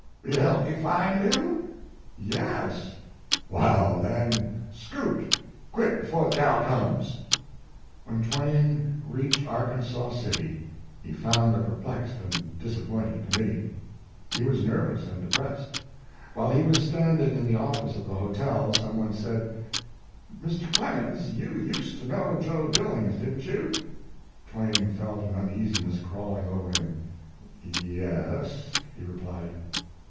"Will you help me find him?" "Yes." "Wall, then, scoot. Quick, befo the gal comes." When Twain reached Arkansaw City, he found the perplexed and disappointed committee. He was nervous and de pressed. While he was standing in the office of the hotel, some one said: "Mr. Clemens, you used to know Jo Billings, didn t you?" Twain felt an uneasiness crawling over him. "Yes," he replied.